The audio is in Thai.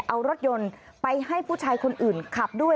เอารถยนต์ไปให้ผู้ชายคนอื่นขับด้วย